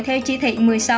theo chi thị một mươi sáu